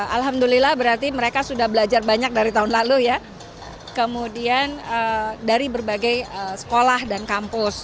alhamdulillah berarti mereka sudah belajar banyak dari tahun lalu ya kemudian dari berbagai sekolah dan kampus